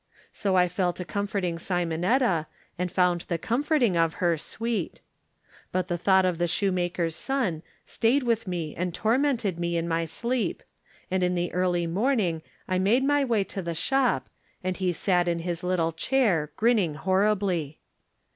So I fell to comforting Simon etta, and found the comforting of her sweet. But the thought of the shoemaker's son stayed with me and tormented me in my sleep, and in the early morning I made my way to the shop, and he sat in his little chair, grinning horribly.